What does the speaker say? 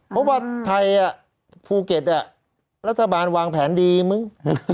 เพราะว่าไทยภูเก็ตรัฐบาลวางแผนดีมึง